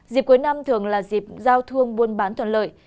dịp cuối năm thường là dịp giao thương buôn bán thuận lợi